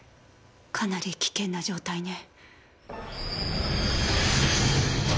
かなり危険な状態ね。